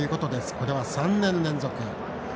これは３年連続。